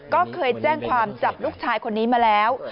ก็เคยแจ้งความจับลูกชายคนนี้มาแล้ว